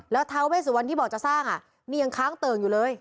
แล้วท้าเวสุวรรณที่บอกจะสร้างนี่ยังค้างเติ่งอยู่เลย